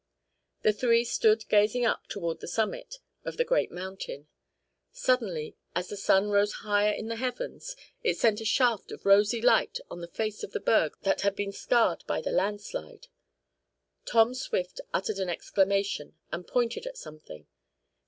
The three stood gazing up toward the summit of the great mountain. Suddenly, as the sun rose higher in the heavens, it sent a shaft of rosy light on the face of the berg that had been scarred by the landslide. Tom Swift uttered an exclamation, and pointed at something.